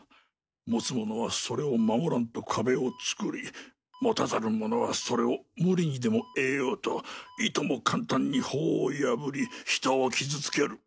持つ者はそれを守らんと壁を作り持たざる者はそれを無理にでも得ようといとも簡単に法を破り人を傷つける。